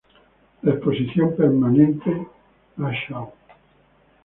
La exposición permanente "a_schau.